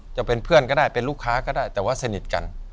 จะเป็นเพื่อนก็ได้เป็นลูกค้าก็ได้แต่ว่าสนิทกัน